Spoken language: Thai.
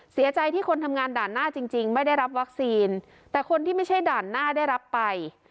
เสียใจที่คนทำงานด่านหน้าจริงจริงไม่ได้รับวัคซีนแต่คนที่ไม่ใช่ด่านหน้าได้รับไป